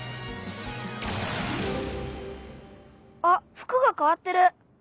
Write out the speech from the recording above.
あ服がかわってる。